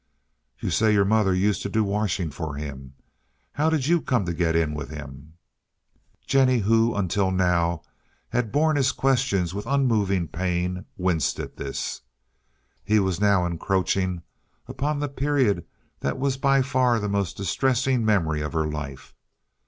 "You say your mother used to do washing for him. How did you come to get in with him?" Jennie, who until now had borne his questions with unmoving pain, winced at this. He was now encroaching upon the period that was by far the most distressing memory of her life.